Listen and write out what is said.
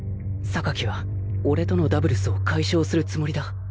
は俺とのダブルスを解消するつもりだ。